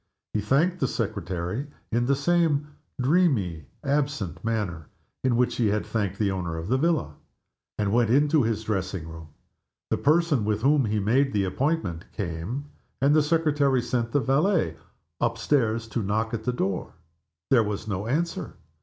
He thanked the secretary in the same dreamy, absent manner in which he had thanked the owner of the villa, and went into his dressing room. The person with whom he had made the appointment came, and the secretary sent the valet up stairs to knock at the door. There was no answer.